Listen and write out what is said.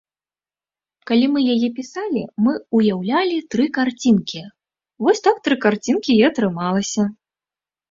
Калі мы яе пісалі, мы ўяўлялі тры карцінкі, вось так тры карцінкі і атрымалася.